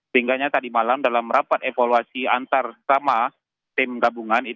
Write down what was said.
sehingganya tadi malam dalam rapat evaluasi antara sama tim gabungan